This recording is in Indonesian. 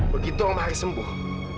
begitu om haris sembuh